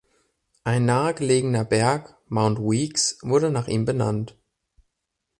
Ein nahe gelegener Berg, Mount Weeks, wurde nach ihm benannt.